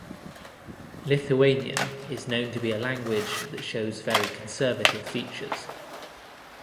Lithuanian is known to be a language that shows very conservative features.